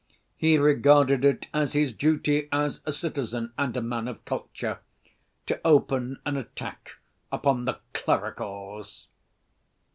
He regarded it as his duty as a citizen and a man of culture to open an attack upon the "clericals."